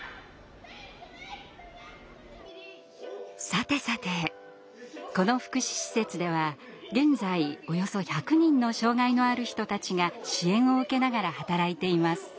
まあ特殊というかそのさてさてこの福祉施設では現在およそ１００人の障害のある人たちが支援を受けながら働いています。